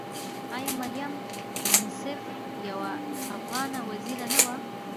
آیا مریم منصف یوه افغانه وزیره نه وه؟